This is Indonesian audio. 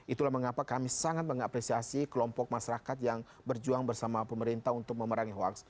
itulah mengapa kami sangat mengapresiasi kelompok masyarakat yang berjuang bersama pemerintah untuk memerangi hoax